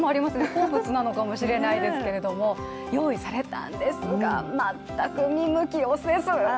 好物なのかもしれないですけれども用意されたんですが、全く見向きもせず。